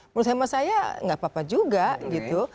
menurut hemat saya nggak apa apa juga gitu